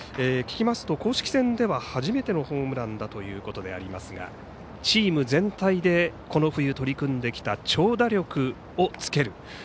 聞きますと公式戦では初めてのホームランだということでありますがチーム全体でこの冬取り組んできた長打力をつける。